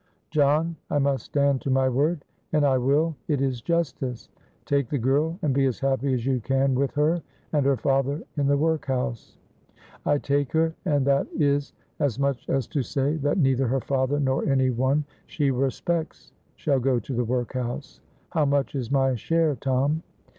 "John, I must stand to my word; and I will it is justice. Take the girl, and be as happy as you can with her, and her father in the work house." "I take her, and that is as much as to say that neither her father nor any one she respects shall go to the workhouse. How much is my share, Tom?"